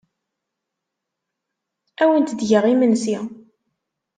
Ad awent-d-geɣ imensi.